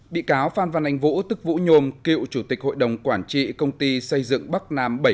bị cáo phan văn anh vũ tức vũ nhôm cựu chủ tịch hội đồng quản trị công ty xây dựng bắc nam bảy trăm tám